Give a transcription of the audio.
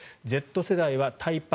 Ｚ世代はタイパ